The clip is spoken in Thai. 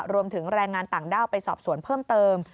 รวมถึงแรงงานต่างด้าวไปสอบสวนเพิ่มเติม